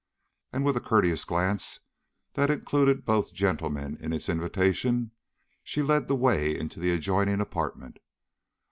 And with a courteous glance that included both gentlemen in its invitation, she led the way into the adjoining apartment.